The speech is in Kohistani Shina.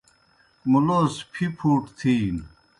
مُلوس پِھپُھوٹ تِھینوْ۔